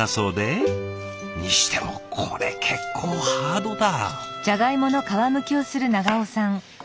にしてもこれ結構ハードだ。